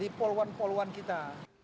di poluan poluan kita